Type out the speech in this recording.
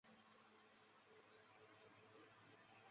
三叶崖爬藤是葡萄科崖爬藤属的植物。